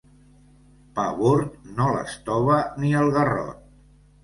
Pa bord no l'estova ni el garrot.